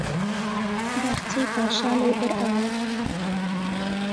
باخچەی پاشا لەوبەر ئاوە